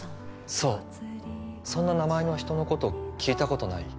そうそんな名前の人のこと聞いたことない？